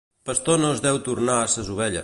Pastor no es deu tornar a ses ovelles.